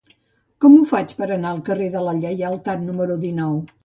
Com ho faig per anar al carrer de la Lleialtat número dinou?